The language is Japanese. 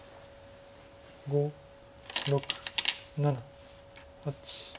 ５６７８。